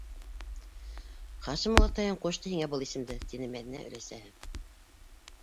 Хашим олатайың ҡушты һиңә был исемде, - тине Мәҙинә өләсәһе.